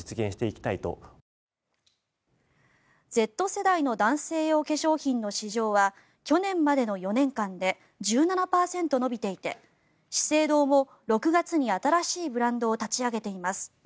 Ｚ世代の男性用化粧品の市場は去年までの４年間で１７％伸びていて資生堂も６月に新しいブランドを立ち上げています。